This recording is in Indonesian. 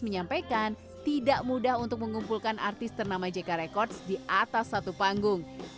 menyampaikan tidak mudah untuk mengumpulkan artis ternama jk records di atas satu panggung